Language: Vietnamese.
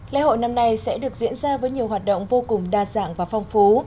lễ hội năm nay sẽ được diễn ra với nhiều hoạt động vô cùng đa dạng và phong phú